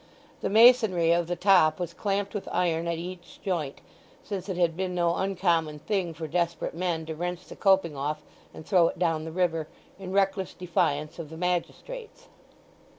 The masonry of the top was clamped with iron at each joint; since it had been no uncommon thing for desperate men to wrench the coping off and throw it down the river, in reckless defiance of the magistrates.